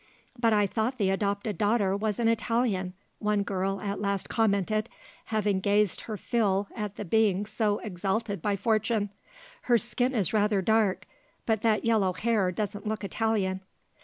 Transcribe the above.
"But I thought the adopted daughter was an Italian," one girl at last commented, having gazed her fill at the being so exalted by fortune. "Her skin is rather dark, but that yellow hair doesn't look Italian."